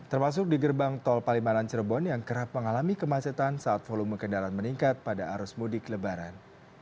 termasuk di gerbang tol palimanan cirebon yang kerap mengalami kemacetan saat volume kendaraan meningkat pada arus mudik lebaran